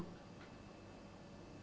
jangan berkampanye ria